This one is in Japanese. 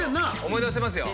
思い出せますよ。